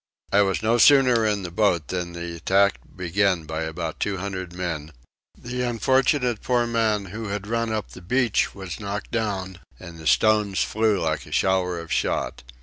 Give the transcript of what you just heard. I was no sooner in the boat than the attack began by about 200 men; the unfortunate poor man who had run up the beach was knocked down, and the stones flew like a shower of shot.